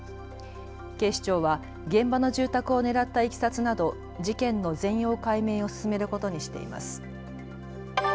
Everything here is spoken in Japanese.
警視庁は現場の住宅を狙ったいきさつなど事件の全容解明を進めることにしています。